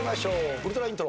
ウルトライントロ。